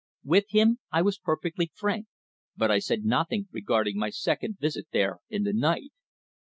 With him I was perfectly frank; but I said nothing regarding my second visit there in the night.